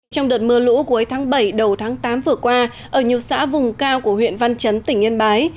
trong đợt mưa lũ cuối tháng bảy đầu tháng tám vừa qua ở nhiều xã vùng cao của huyện văn chấn tỉnh yên bái